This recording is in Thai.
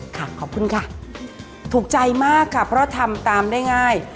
ขอบคุณค่ะถูกใจมากค่ะเพราะทำตามได้ง่าย